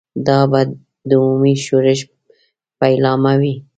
دا به د عمومي ښورښ پیلامه وي.